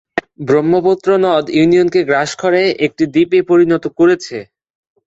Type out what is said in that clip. ব্রহ্মপুত্র নদ ইউনিয়নকে গ্রাস করে একটি দ্বীপে পরিনত করেছে।